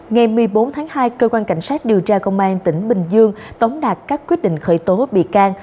ngày một mươi bốn tháng hai cơ quan cảnh sát điều tra công an tỉnh bình dương tống đạt các quyết định khởi tố bị can